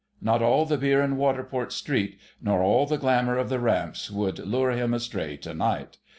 Not all the beer in Waterport Street nor all the glamour of the "Ramps" would lure him astray to night.